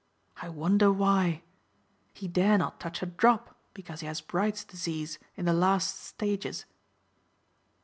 I wonder why. He dare not touch a drop because he has Bright's disease in the last stages."